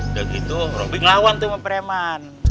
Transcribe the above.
udah gitu robi ngelawan sama preman